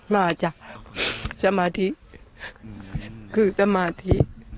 อ๋อมาจากสมาธิคือสมาธิ